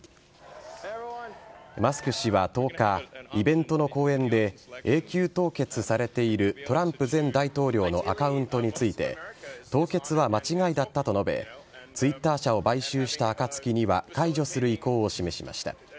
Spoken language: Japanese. マスク氏は１０日イベントの講演で永久凍結されているトランプ前大統領のアカウントについて凍結は間違いだったと述べＴｗｉｔｔｅｒ社を買収した暁には解除する意向を示しました。